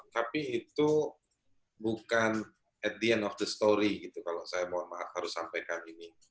tapi itu bukan at the end of the story gitu kalau saya mohon maaf harus sampaikan ini